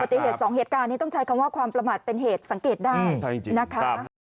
ติเหตุสองเหตุการณ์นี้ต้องใช้คำว่าความประมาทเป็นเหตุสังเกตได้นะคะ